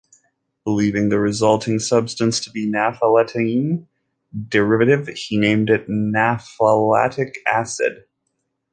Believing the resulting substance to be a naphthalene derivative, he named it "naphthalic acid".